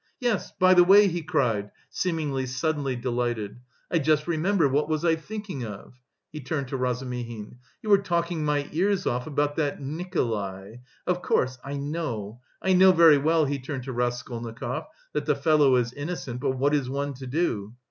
Yes, by the way," he cried, seemingly suddenly delighted, "I just remember, what was I thinking of?" he turned to Razumihin, "you were talking my ears off about that Nikolay... of course, I know, I know very well," he turned to Raskolnikov, "that the fellow is innocent, but what is one to do?